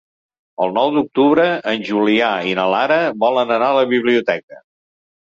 El nou d'octubre en Julià i na Lara volen anar a la biblioteca.